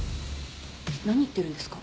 何言ってるんですか？